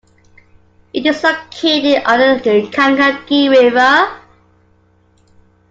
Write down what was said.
It is located on the Kankakee River.